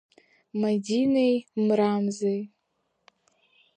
Мадинеи Мрамзеи…